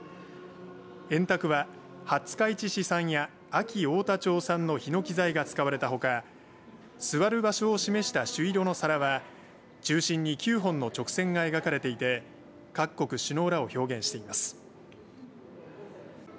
円卓は廿日市市産や安芸太田町産のヒノキ材が使われたほか座る場所を示した朱色の皿は中心に９本の直線が描かれていて各国首脳らを表現しています。